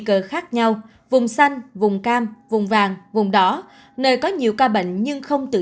cơ khác nhau vùng xanh vùng cam vùng vàng vùng đỏ nơi có nhiều ca bệnh nhưng không tự